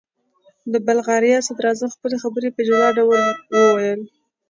د بلغاریا صدراعظم خپلې خبرې په جلا ډول وویل.